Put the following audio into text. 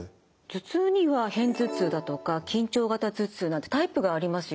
頭痛には片頭痛だとか緊張型頭痛なんてタイプがありますよね。